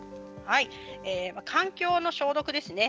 環境の消毒ですね。